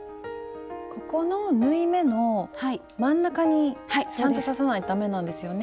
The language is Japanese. ここの縫い目の真ん中にちゃんと刺さないとダメなんですよね？